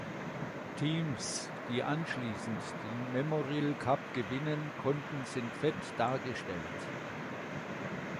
Teams die anschließend den Memorial Cup gewinnen konnten sind fett dargestellt.